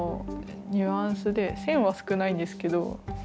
線は少ないんですけど。